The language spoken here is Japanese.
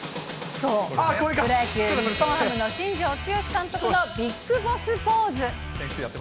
そう、プロ野球・日本ハムの新庄剛志監督のビッグボスポーズ。